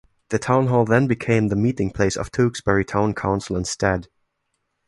The town hall then became the meeting place of Tewkesbury Town Council instead.